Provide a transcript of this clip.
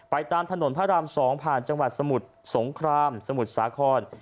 ตามถนนพระราม๒ผ่านจังหวัดสมุทรสงครามสมุทรสาคร